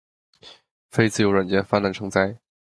非自由软件泛滥成灾